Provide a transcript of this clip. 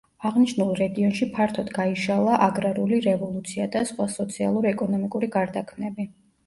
აღნიშნულ რეგიონში ფართოდ გაიშალა აგრარული რევოლუცია და სხვა სოციალურ-ეკონომიკური გარდაქმნები.